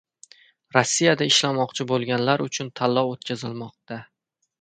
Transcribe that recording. Rossiyada ishlamoqchi bo‘lganlar uchun tanlov o‘tkazilmoqda